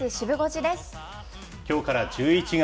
きょうから１１月。